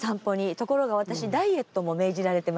ところが私ダイエットも命じられてまして。